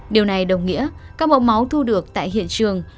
điều này đồng nghĩa các mẫu máu thu được tại hiện trường